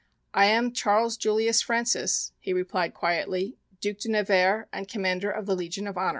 "I am Charles Julius Francis," he replied quietly, "Duc de Nevers, and Commander of the Legion of Honor."